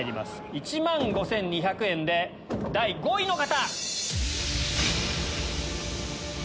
１万５２００円で第５位の方！